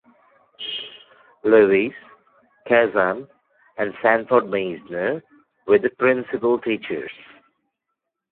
Lewis, Kazan and Sanford Meisner were the principal teachers.